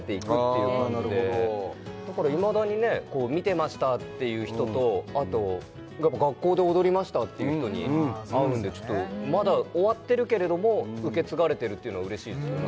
なるほどだからいまだにねこう「見てました」っていう人とあと「学校で踊りました」っていう人に会うんでちょっとまだ終わってるけれども受け継がれてるっていうのは嬉しいですよね